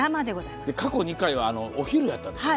過去２回は、お昼やったんですよ。